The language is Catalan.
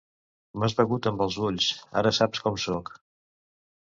M'has begut amb els ulls, ara saps com sóc.